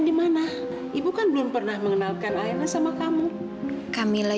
dipindai udah tidak